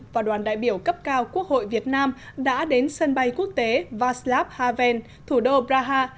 và đoàn đại biểu cấp cao quốc hội việt nam đã đến sân bay quốc tế vaslav haven thủ đô praha